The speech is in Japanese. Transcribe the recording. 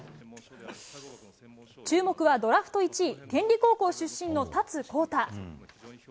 注目はドラフト１位天理高校出身の達孝太。